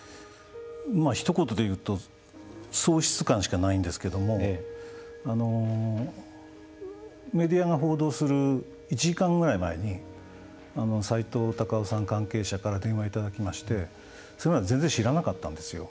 ひと言で言うと喪失感しかないんですけどもメディアが報道する１時間ぐらい前にさいとう・たかをさん関係者から電話をいただきましてそれまで全然知らなかったんですよ。